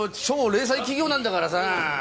超零細企業なんだからさ。